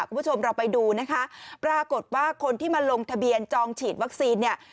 คุณผู้ชมเราไปดูนะคะปรากฏว่าคนที่มาลงทะเบียนจองฉีดวัคซีนเนี่ย